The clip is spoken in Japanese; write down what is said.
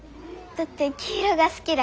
だって黄色が好きだから。